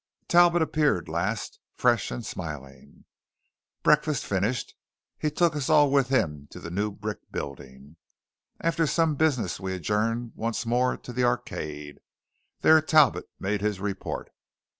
Talbot appeared last, fresh and smiling. Breakfast finished, he took us all with him to the new brick building. After some business we adjourned once more to the Arcade. There Talbot made his report.